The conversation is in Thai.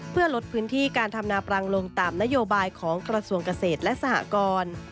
เพื่อลดพื้นที่การทำนาปรังลงตามนโยบายของกระทรวงเกษตรและสหกร